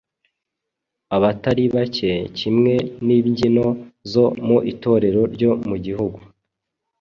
abatari bake, kimwe n’imbyino zo mu itorero ryo mu gihugu